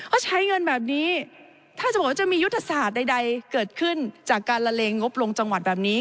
ก็ใช้เงินแบบนี้ถ้าสมมุติว่าจะมียุทธศาสตร์ใดเกิดขึ้นจากการละเลงงบลงจังหวัดแบบนี้